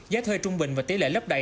giá thuê trung bình và tỷ lệ lấp đầy